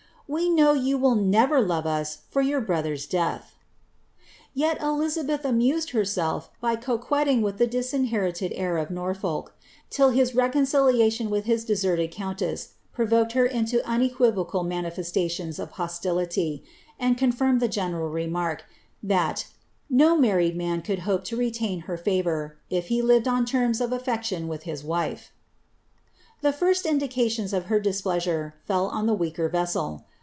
'* We know vou will never love us for vour brother's death."* Yet Elizabeth amused herself with coquetting with the disinherited heir of Norfolk, till his reconciliation with his deserted countess provoked her into unequivocal manifestations of hostility, and confirmed the general remark, that '^ no married man could hope to retain her favour if he lived on terms of aflection with his wife." The first indications of her displeasure fell on the weaker vessel.